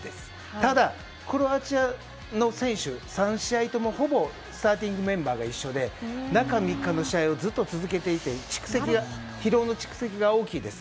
ただ、クロアチアの選手は３試合とも、ほぼスターティングメンバーが一緒で中３日の試合をずっと続けていて疲労の蓄積が大きいです。